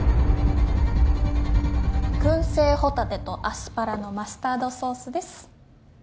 くん製ホタテとアスパラのマスタードソースです